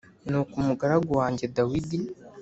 Nuko umugaragu wanjye Dawidi